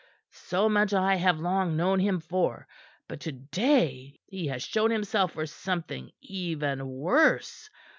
So much I have long known him for; but to day he has shown himself for something even worse.